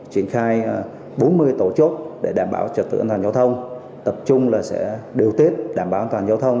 triển khai bốn mươi tổ chốt để đảm bảo trật tự an toàn giao thông tập trung là sẽ điều tiết đảm bảo an toàn giao thông